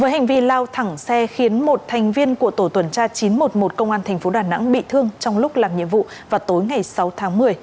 hành vi lao thẳng xe khiến một thành viên của tổ tuần tra chín trăm một mươi một công an tp đà nẵng bị thương trong lúc làm nhiệm vụ vào tối ngày sáu tháng một mươi